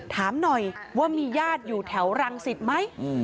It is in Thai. ถามหน่อยว่ามีญาติอยู่แถวรังสิตไหม